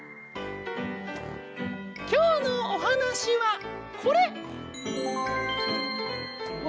きょうのおはなしはこれ。